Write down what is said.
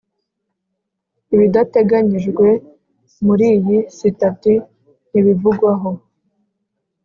Ibidateganyijwe muri iyi sitati ntibivugwaho